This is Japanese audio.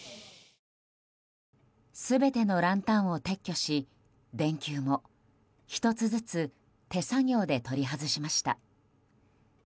全てのランタンを撤去し電球も１つずつ手作業で取り外しました。